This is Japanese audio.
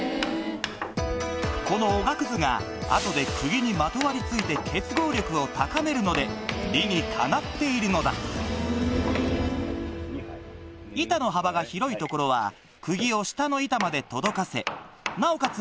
このおがくずが後で釘にまとわり付いて結合力を高めるので理にかなっているのだ板の幅が広い所は釘を下の板まで届かせなおかつ